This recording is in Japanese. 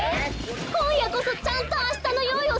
こんやこそちゃんとあしたのよういをするのよ！